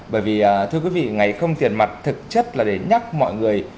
bởi vì thưa quý vị ngày không tiền mặt thực chất là để nhắc mọi người